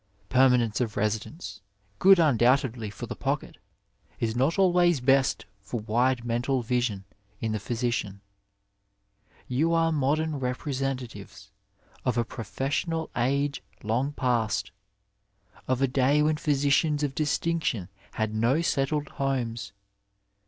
Permanence of residence, good undoubtedly for the pocket, is not always best for wide mental vision in the physician. Tou are modem representatives of a professional age long past, of a day when physicians of distinction had no settled homes.